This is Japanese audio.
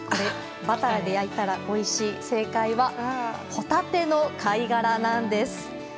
バターで焼いたらおいしい正解はホタテの貝殻なんです。